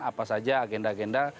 apa saja agenda agenda